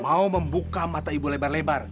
mau membuka mata ibu lebar lebar